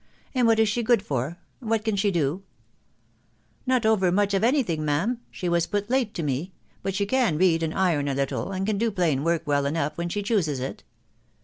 And what is she good for ?..., what can she do ?" iC Not over much of any thing, ma'am. She was put late to me. But she can read, and iron a little, and can do plain work well enough when she chooses it."